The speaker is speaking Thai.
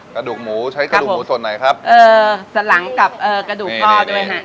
กระดูกหมูใช้กระดูกหมูส่วนไหนครับเอ่อสลังกับเอ่อกระดูกพ่อด้วยฮะ